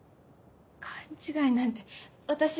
勘違いなんて私は。